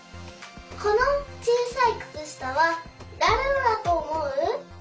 このちいさいくつしたはだれのだとおもう？